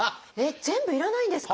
全部要らないんですか？